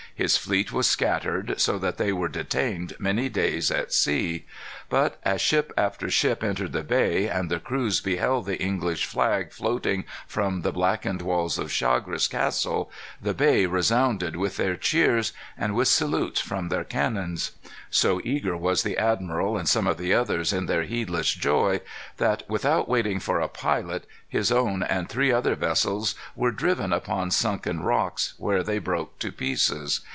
His fleet was scattered, so that they were detained many days at sea. But as ship after ship entered the bay, and the crews beheld the English flag floating from the blackened walls of Chagres Castle, the bay resounded with their cheers, and with salutes from their cannon. So eager was the admiral and some of the others in their heedless joy, that, without waiting for a pilot, his own and three other vessels were driven upon sunken rocks, where they broke to pieces.